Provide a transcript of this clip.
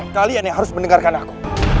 kalian yang harus mendengarkan aku